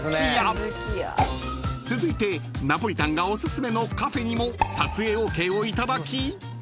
［続いてナポリタンがおすすめのカフェにも撮影ＯＫを頂き］